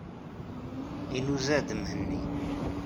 Inuzeɛ-d Mhenni.